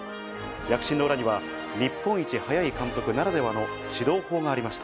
躍進の裏には、日本一速い監督ならではの指導法がありました。